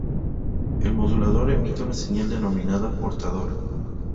El modulador emite una señal denominada portadora.